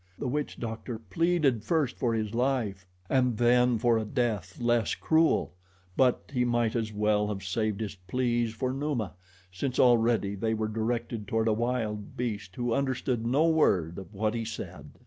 The witch doctor pleaded, first for his life, and then for a death less cruel; but he might as well have saved his pleas for Numa, since already they were directed toward a wild beast who understood no word of what he said.